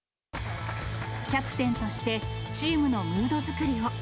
キャプテンとしてチームのムード作りを。